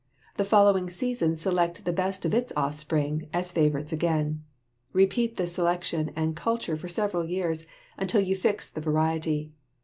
The following season select the best of its offspring as favorites again. Repeat this selection and culture for several years until you fix the variety.